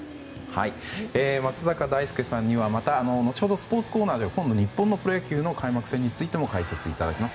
松坂大輔さんには後ほどスポーツコーナーで日本のプロ野球の開幕戦についても解説いただきます。